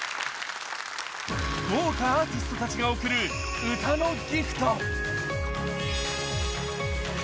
豪華アーティストたちが贈る歌のＧＩＦＴ。